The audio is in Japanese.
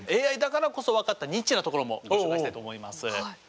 ＡＩだからこそ分かったニッチなところもご紹介したいと思います。